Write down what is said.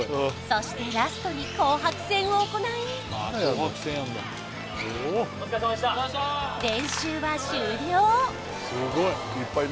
そしてラストに紅白戦を行いお疲れさまでした練習は終了